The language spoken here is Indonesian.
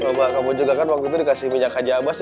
coba kamu juga kan waktu itu dikasih minyak kajabas